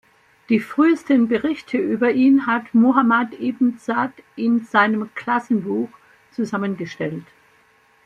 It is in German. Die frühesten Berichte über ihn hat Muhammad ibn Saʿd in seinem "„Klassenbuch“" zusammengestellt.